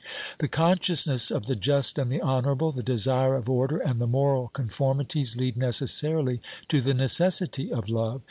The consciousness of the just and the honourable, the desire of order and the moral conformities, lead necessarily to the necessity of love.